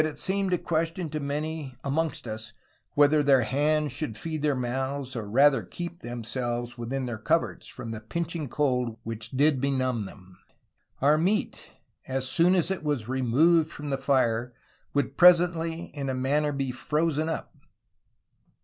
DRAKE AND NEW ALBION 103 amongst vs, whether their hands should feed their mouthes, or rather keepe themselues within their couerts from the pinching cold which did benumme them ... our meate, as soone as it was remooued from the fire, would presently in a manner be frozen vp